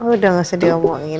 udah gak usah diomongin